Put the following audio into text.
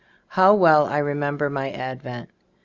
How well I remember my advent.